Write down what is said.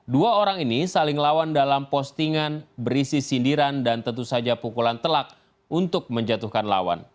dua orang ini saling lawan dalam postingan berisi sindiran dan tentu saja pukulan telak untuk menjatuhkan lawan